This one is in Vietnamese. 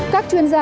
các chuyên gia